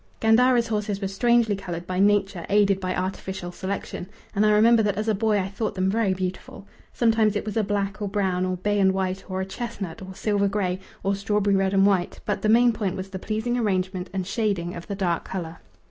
Gandara's horses were strangely coloured by nature aided by artificial selection, and I remember that as a boy I thought them very beautiful. Sometimes it was a black or brown or bay and white, or a chestnut or silver grey or strawberry red and white, but the main point was the pleasing arrangement and shading of the dark colour.